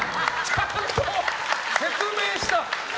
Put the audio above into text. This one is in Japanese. ちゃんと説明した。